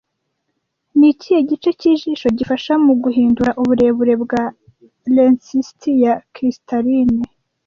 Ni ikihe gice cy'ijisho gifasha muguhindura uburebure bwa lensisiti ya kristaline